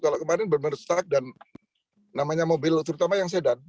kalau kemarin bermersak dan namanya mobil terutama yang sedan